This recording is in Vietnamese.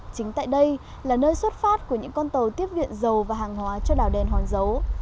chính tại đây là nơi xuất phát của những con tàu tiếp viện dầu và hàng hóa cho đảo đèn hòn dấu